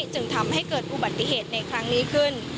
จึงทำให้เกิดอุบัติเหตุในครั้งนี้ขึ้น